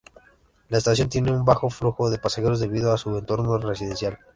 La estación tiene un bajo flujo de pasajeros debido a su entorno residencial.